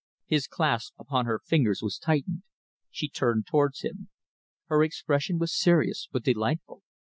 His clasp upon her fingers was tightened. She turned towards him. Her expression was serious but delightful.